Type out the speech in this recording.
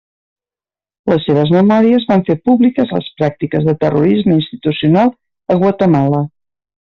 Les seves memòries van fer públiques les pràctiques de terrorisme institucional a Guatemala.